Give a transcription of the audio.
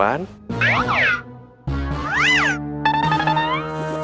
ini juga deh